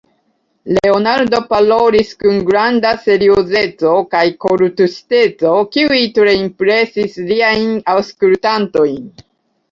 Leonardo parolis kun granda seriozeco kaj kortuŝiteco, kiuj tre impresis liajn aŭskultantojn.